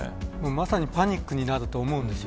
まさにパニックになると思うんです。